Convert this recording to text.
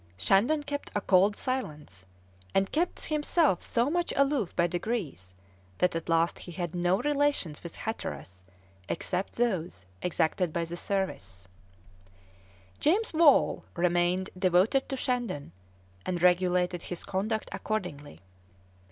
Shandon kept a cold silence, and kept himself so much aloof by degrees that at last he had no relations with Hatteras except those exacted by the service; James Wall remained devoted to Shandon, and regulated his conduct accordingly.